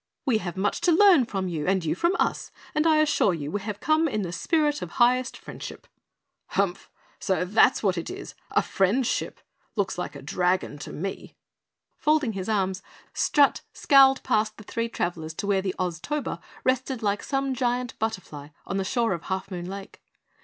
"We have much to learn from you and you from us, and I assure you we have come in the spirit of highest friendship!" "Humph! So that's what it is a friend ship! Looks like a dragon to me!" Folding his arms, Strut scowled past the three travellers to where the Oztober rested like some giant butterfly on the shore of Half Moon Lake.